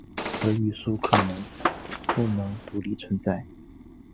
而语素可能不能独立存在。